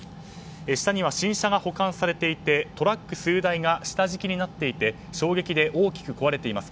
下には新車が保管されていてトラック数台が下敷きになっていて衝撃で大きく壊れています。